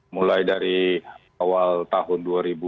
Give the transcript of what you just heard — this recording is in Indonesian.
mulai dari awal tahun dua ribu dua puluh